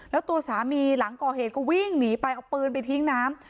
แล้วตัวสามีหลังก่อเหตุก็วิ่งหนีไปเอาปืนไปทิ้งน้ำ